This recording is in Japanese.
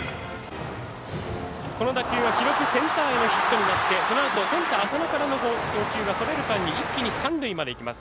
この打球が記録センターへのヒットになってそのあとセンター浅野からの送球がそれる間に一気に三塁までいきます。